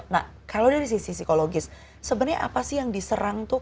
nah kalau dari sisi psikologis sebenarnya apa sih yang diserang tuh